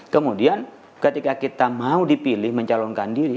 kemudian ketika kita mau dipilih mencalonkan diri